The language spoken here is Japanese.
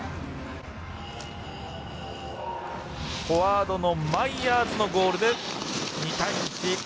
フォワードのマイヤーズのゴールで２対１。